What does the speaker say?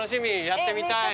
やってみたい！